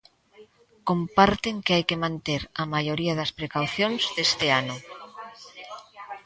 Comparten que hai que manter a maioría das precaucións deste ano.